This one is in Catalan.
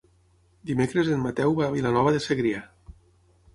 Dimecres en Mateu va a Vilanova de Segrià.